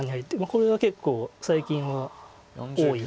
これが結構最近は多いです。